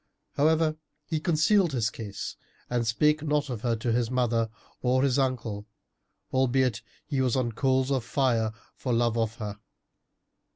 However he concealed his case and spake not of her to his mother or his uncle, albeit he was on coals of fire for love of her.